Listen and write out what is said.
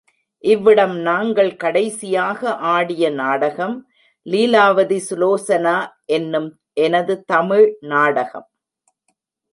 இவ்விடம் நாங்கள் கடைசியாக ஆடிய நாடகம் லீலாவதிசுலோசனா எனும் எனது தமிழ் நாடகம்.